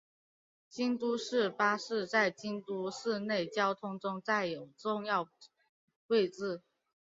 京都市巴士在京都市内交通中占有重要位置。